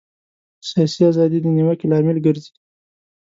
سیاسي ازادي د نیوکې لامل ګرځي.